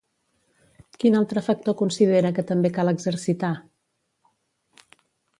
Quin altre factor considera que també cal exercitar?